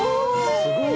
すごい！